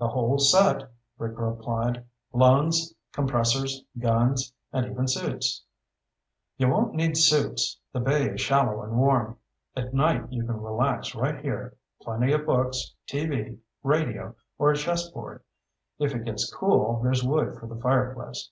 "The whole set," Rick replied. "Lungs, compressors, guns, and even suits." "You won't need suits. The bay is shallow and warm. At night you can relax right here. Plenty of books, TV, radio, or a chessboard. If it gets cool, there's wood for the fireplace."